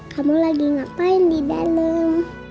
kamu lagi ngapain di dalam